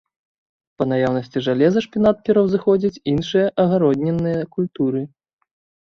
Па наяўнасці жалеза шпінат пераўзыходзіць іншыя агароднінныя культуры.